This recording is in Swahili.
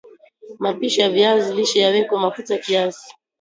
mapishi ya viazi lishe yawekwe mafuta kiasi